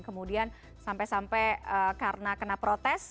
kemudian sampai sampai karena kena protes